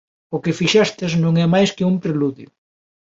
O que fixestes non é máis que un preludio.